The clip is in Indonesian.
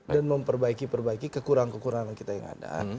dan memperbaiki perbaiki kekurangan kekurangan kita yang ada